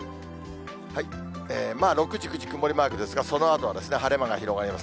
６時、９時、曇りマークですが、そのあとは晴れ間が広がります。